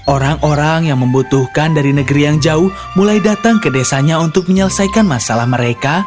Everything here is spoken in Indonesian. orang orang yang membutuhkan dari negeri yang jauh mulai datang ke desanya untuk menyelesaikan masalah mereka